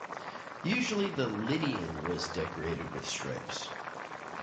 Usually, the "lydion" was decorated with stripes.